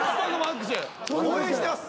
応援してます。